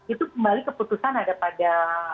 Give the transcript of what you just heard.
itu kembali keputusan ada pada